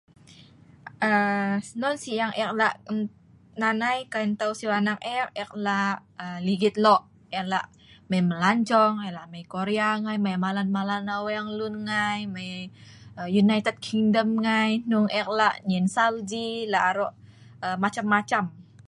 aa non sik yang ek lak nan ai kai nteu siu anak ek ek lak aa ligit lok ek lak mei melancong ek lak mei Korea ngai mei malan malan aweng lun ngai mei aa United Kingdom ngai hnung ek lak nyen salji lak arok aa macam macam